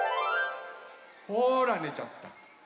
ほらねちゃった。